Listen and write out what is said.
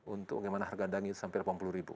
untuk bagaimana harga daging sampai rp delapan puluh